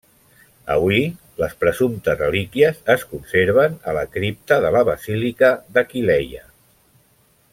Avui, les presumptes relíquies es conserven a la cripta de la basílica d'Aquileia.